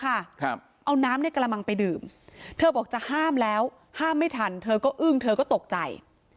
ครับเอาน้ำในกระมังไปดื่มเธอบอกจะห้ามแล้วห้ามไม่ทันเธอก็อึ้งเธอก็ตกใจ